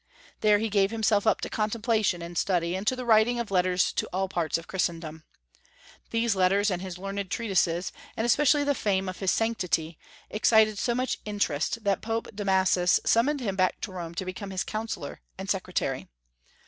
There he gave himself up to contemplation and study, and to the writing of letters to all parts of Christendom. These letters and his learned treatises, and especially the fame of his sanctity, excited so much interest that Pope Damasus summoned him back to Rome to become his counsellor and secretary.